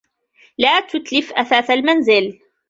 لَا تُتْلِفْ أثَاثَ الْمَنْزِلِ.